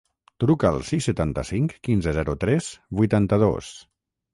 Truca al sis, setanta-cinc, quinze, zero, tres, vuitanta-dos.